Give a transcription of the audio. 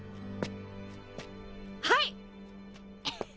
はい！